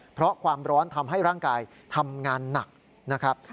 เพราะความร้อนทำให้ร่างกายทำงานหนักนะครับ